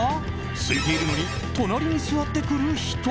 空いているのに隣に座ってくる人